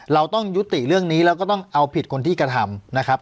เราต้องยุติเรื่องนี้แล้วก็ต้องเอาผิดคนที่กระทำนะครับ